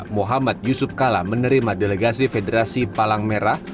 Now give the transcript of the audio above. muhammad yusuf kala menerima delegasi federasi palang merah